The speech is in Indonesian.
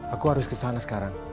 aku harus kesana sekarang